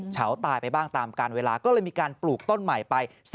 เฉาตายไปบ้างตามการเวลาก็เลยมีการปลูกต้นใหม่ไป